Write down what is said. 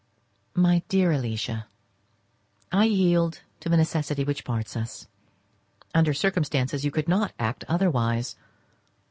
My dear Alicia,—I yield to the necessity which parts us. Under such circumstances you could not act otherwise.